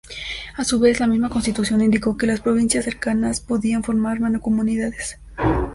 A su vez la misma constitución indicó que las provincias cercanas podían formar mancomunidades.